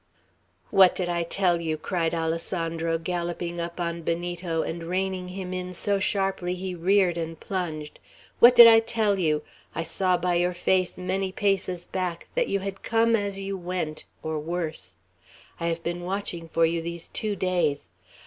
"What did I tell you?" cried Alessandro, galloping up on Benito, and reining him in so sharply he reared and plunged. "What did I tell you? I saw by your face, many paces back, that you had come as you went, or worse! I have been watching for you these two days.